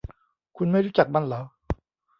คุณไม่รู้จักมันหรอ